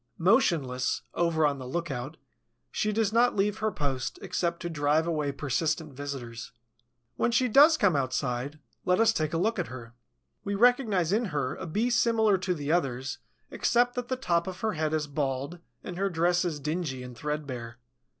Motionless, ever on the lookout, she does not leave her post except to drive away persistent visitors. When she does come outside, let us take a look at her. We recognize in her a Bee similar to the others except that the top of her head is bald and her dress is dingy and threadbare.